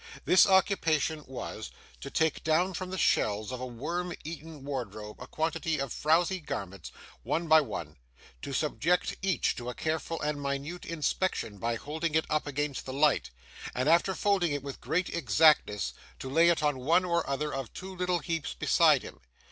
This occupation was, to take down from the shelves of a worm eaten wardrobe a quantity of frouzy garments, one by one; to subject each to a careful and minute inspection by holding it up against the light, and after folding it with great exactness, to lay it on one or other of two little heaps beside him.